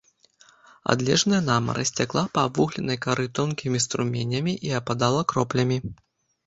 Адлежная намаразь цякла па абвугленай кары тонкімі струменямі і ападала кроплямі.